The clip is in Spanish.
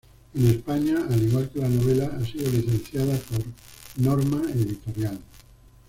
En España, al igual que la novela, ha sido licenciada por Norma Editorial.